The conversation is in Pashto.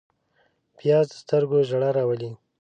پیاز د سترګو ژړا راولي